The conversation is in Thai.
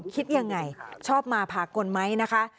คิดยังไงชอบมาพากลไหมนะคะ